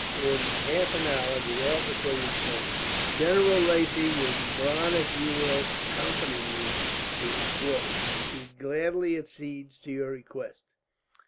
In half an hour the officer returned. "General Lacy will be glad if you will accompany me to his quarters. He gladly accedes to your request."